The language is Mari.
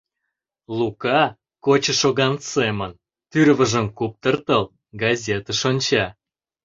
Лука, кочо шоган семын, тӱрвыжым куптыртыл, газетыш онча.